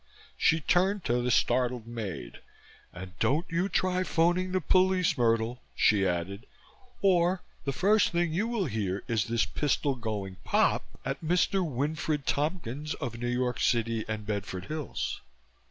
She turned to the startled maid. "And don't you try phoning the police, Myrtle," she added, "or the first thing you will hear is this pistol going pop at Mr. Winfred Tompkins of New York City and Bedford Hills."